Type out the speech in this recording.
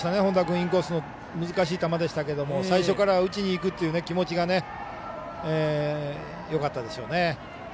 インコースの難しい球でしたけど最初から打ちにいくっていう気持ちがよかったですよね。